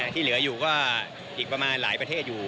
ที่เหลืออยู่ก็อีกประมาณหลายประเทศอยู่